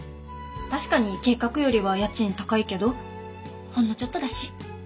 確かに計画よりは家賃高いけどほんのちょっとだし。